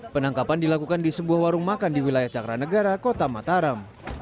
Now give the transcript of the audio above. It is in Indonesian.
penangkapan dilakukan di sebuah warung makan di wilayah cakranegara kota mataram